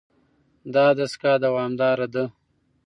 دا دستګاه دوامداره ده.